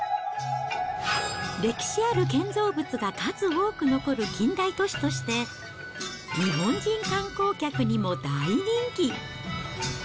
歴史ある建造物が数多く残る近代都市として、日本人観光客にも大人気。